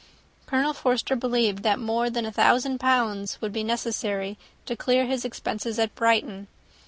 Colonel Forster believed that more than a thousand pounds would be necessary to clear his expenses at Brighton.